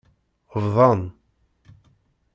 Bḍan.